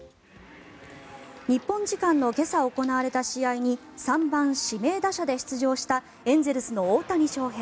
日本時間の今朝行われた試合に３番指名打者で出場したエンゼルスの大谷翔平。